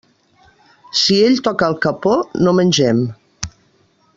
Si ell toca el capó, no mengem.